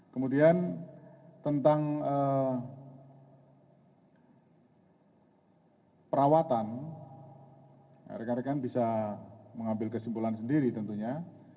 kemudian tentang perawatan rekan rekan bisa mengambil kesimpulan sendiri tentunya